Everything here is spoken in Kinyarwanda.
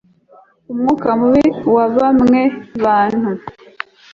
umwuka mubi wa bamwe bantu